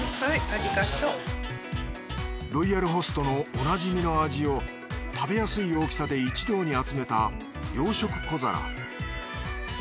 ロイヤルホストのおなじみの味を食べやすい大きさで一堂に集めた洋食小皿。